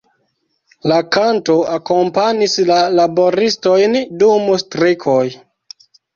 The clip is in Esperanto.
La kanto akompanis la laboristojn dum strikoj.